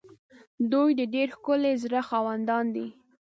دوی د ډېر ښکلي زړه خاوندان دي.